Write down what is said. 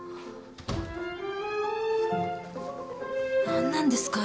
何なんですか？